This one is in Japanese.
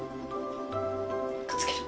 くっつける。